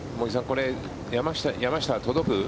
これ、山下は届く？